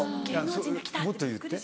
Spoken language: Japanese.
それもっと言って。